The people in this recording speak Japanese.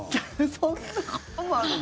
そんなのもあるの？